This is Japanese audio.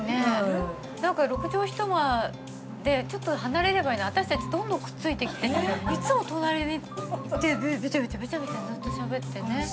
何か６畳一間でちょっと離れればいいのに私たちいっつも隣にいてべちゃべちゃべちゃべちゃずっとしゃべってね。